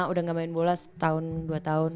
udah gak main bola setahun dua tahun